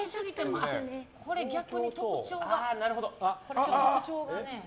これ、逆に特徴が。